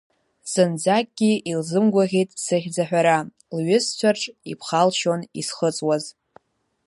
Зынӡакгьы илзымгәаӷьит сыхьӡ аҳәара, лҩызцәарҿ иԥхалшьон исхыҵуаз!